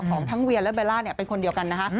ของทั้งเวียและเบลล่าเป็นคนเดียวกันนะคะ